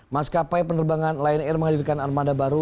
maskapai penerbangan lion air menghadirkan armada baru